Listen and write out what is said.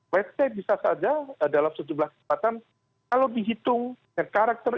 wt bisa saja dalam sejumlah kesempatan kalau dihitung karakteris